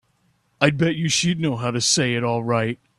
I bet you she'd know how to say it all right.